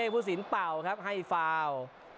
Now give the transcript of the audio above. ผู้สินเป่าครับให้ฟาว